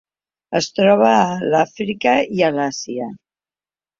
Es troba a l'Àfrica i a l'Àsia.